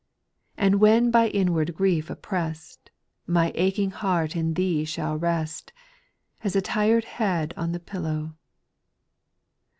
And when by inward grief opprest, My aching heart in Thee shall rest, As a tired head on the pillow.